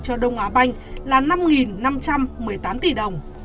cho đông á banh là năm năm trăm một mươi tám tỷ đồng